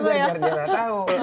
biar dia tau